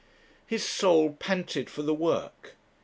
His soul panted for the work.